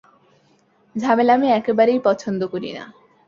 ঝামেলা আমি একেবারেই পছন্দ করি না।